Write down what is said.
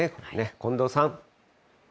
近藤さん。